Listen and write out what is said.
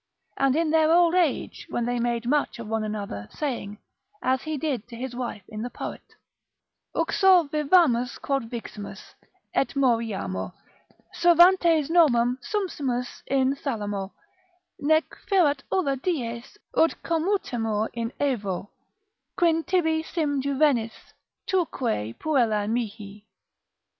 And in their old age, when they make much of one another, saying, as he did to his wife in the poet, Uxor vivamus quod viximus, et moriamur, Servantes nomen sumpsimus in thalamo; Nec ferat ulla dies ut commutemur in aevo, Quin tibi sim juvenis, tuque puella mihi.